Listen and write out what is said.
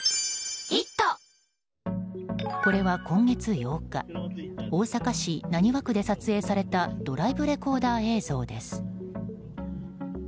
これは今月８日大阪市浪速区で撮影されたドライブレコーダー映像です。